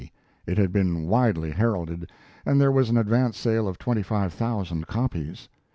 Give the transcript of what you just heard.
It had been widely heralded, and there was an advance sale of twenty five thousand copies.